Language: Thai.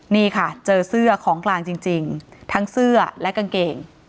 นี่ค่ะเจอเสื้อของกลางจริงทั้งเสื้อและกางเกง